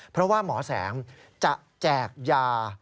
เพราะว่าหมอแสงจะแจกยา